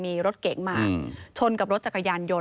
มีรถเก๋งมาชนกับรถจักรยานยนต